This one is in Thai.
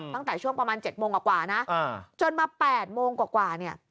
ตั้งแต่ช่วงประมาณ๗โมงกว่านะจนมา๘โมงกว่าเนี่ย